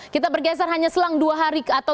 kita bergeser hanya selang dua hari ke atas